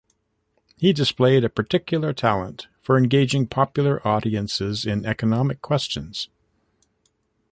He displayed a particular talent for engaging popular audiences in economic questions.